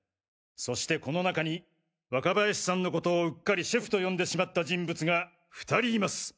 そしてこの中に若林さんのことをうっかりシェフと呼んでしまった人物が２人います。